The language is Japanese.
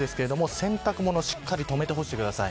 洗濯物しっかり留めて干してください。